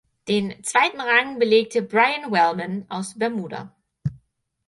Den zweiten Rang belegte Brian Wellman aus Bermuda.